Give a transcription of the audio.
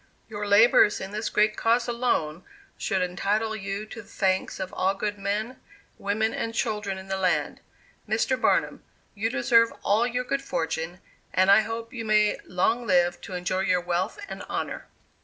Your labors in this great cause alone, should entitle you to the thanks of all good men, women and children in the land. Mr. Barnum, you deserve all your good fortune, and I hope you may long live to enjoy your wealth and honor.